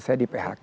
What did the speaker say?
saya di phk